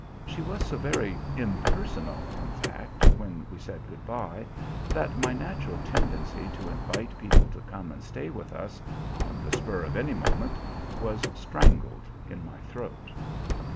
She was so very impersonal in fact, when we said good by, that my natural tendency to invite people to come and stay with us, on the spur of any moment, was strangled in my throat.